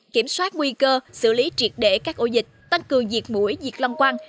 kiểm soát nguy cơ xử lý triệt đệ các ô dịch tăng cường diệt mũi diệt lâm quang